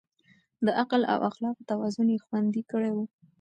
د عقل او اخلاقو توازن يې خوندي کړی و.